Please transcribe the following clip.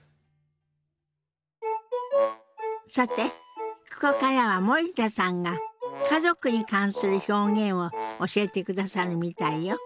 さてここからは森田さんが家族に関する表現を教えてくださるみたいよ。